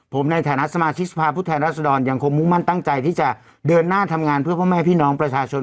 ผมในฐานะสมาชิกเฉพาะประชาชนนักยังมุมมั่นตั้งใจที่จะเดินหน้าทำงานเผื่อพ่อแม่พี่น้องประชาชน